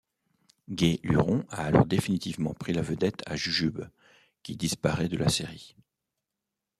Gai-Luron a alors définitivement pris la vedette à Jujube, qui disparaît de la série.